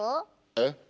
えっ？